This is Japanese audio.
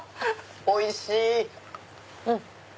おいしい！